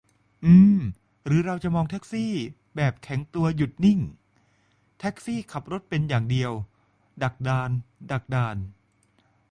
อืม หรือเราจะมองแท็กซี่แบบแข็งตัว หยุดนิ่ง แท็กซี่ขับรถเป็นอย่างเดียว ดักดาน ดักดาน ?